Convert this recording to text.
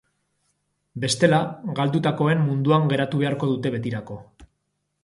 Bestela, galdutakoen munduan geratu beharko dute betirako.